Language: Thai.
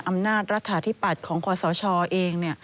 อำนาจรัฐอธิบัตรของควรสาวชอต์เอง